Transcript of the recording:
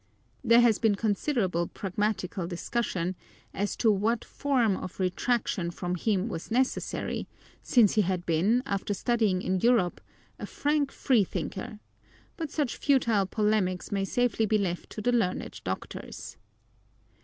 There has been considerable pragmatical discussion as to what form of retraction from him was necessary, since he had been, after studying in Europe, a frank freethinker, but such futile polemics may safely be left to the learned doctors.